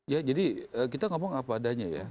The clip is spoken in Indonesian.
ya jadi kita ngomong apa adanya ya